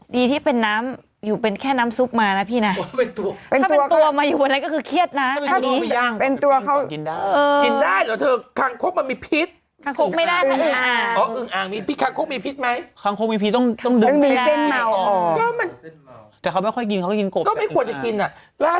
ดีที่เป็นน้ำอยู่เป็นแค่น้ำซุปมาแล้วพี่นะถ้าเป็นตัว